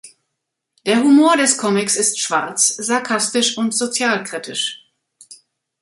Der Humor des Comics ist schwarz, sarkastisch und sozialkritisch.